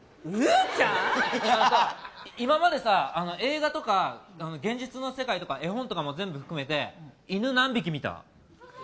あのさ、今までさ映画とか現実の世界とか絵本とかも全部含めて犬、何匹見た？